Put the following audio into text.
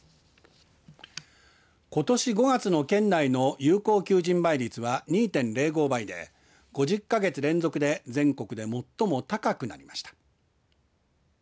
ことし５月の県内の現在の有効求人倍率は２．０５倍で、５０か月連続で全国で最も高くなりました。